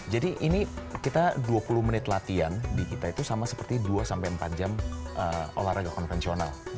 jadi ini kita dua puluh menit latihan di kita itu sama seperti dua sampai empat jam olahraga konvensional